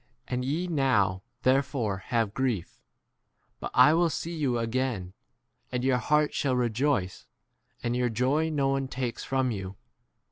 And ye ' now therefore have grief ; but I will see you again, and your heart shall rejoice, and your joy no one takes 23 from you.